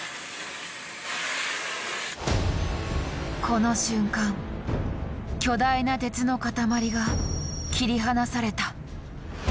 この瞬間巨大な鉄の塊が切り離された。